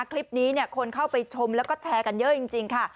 คลิปนี้คนเข้าไปชมแล้วก็แชร์กันเยอะจริงค่ะ